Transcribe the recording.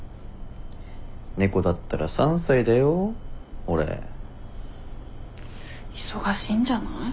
猫だったら３歳だよ俺。忙しいんじゃない？